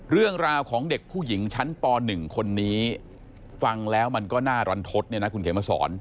เรื่องราวของเด็กผู้หญิงชั้นป๑คนนี้ฟังแล้วมันก็น่ารันทศเนี่ยนะคุณเขียนมาสอน